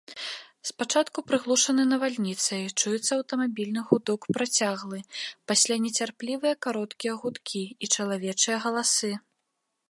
Спачатку, прыглушаны навальніцай, чуецца аўтамабільны гудок працяглы, пасля нецярплівыя кароткія гудкі і чалавечыя галасы.